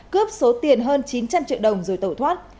cướp số tiền hơn chín trăm linh triệu đồng rồi tẩu thoát